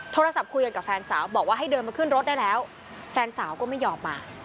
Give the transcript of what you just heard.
โทรศัพท์คุยกันกับแฟนสาวบอกว่าให้เดินมาขึ้นรถได้แล้วแฟนสาวก็ไม่ยอมมา